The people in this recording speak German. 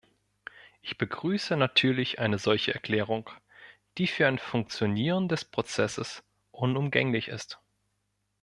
Ich begrüße natürlich eine solche Erklärung, die für ein Funktionieren des Prozesses unumgänglich ist.